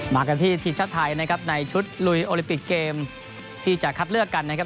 มากันที่ทีมชาติไทยนะครับในชุดลุยโอลิปิกเกมที่จะคัดเลือกกันนะครับ